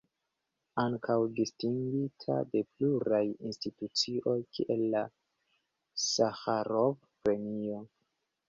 Ankaŭ distingita de pluraj institucioj kiel la Saĥarov-Premio.